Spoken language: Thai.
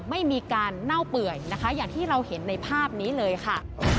ไม่มีการเน่าเปื่อยนะคะอย่างที่เราเห็นในภาพนี้เลยค่ะ